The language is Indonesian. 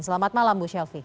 selamat malam bu shelfie